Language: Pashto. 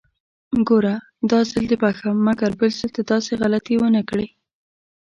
ګوره! داځل دې بښم، مګر بل ځل ته داسې غلطي ونکړې!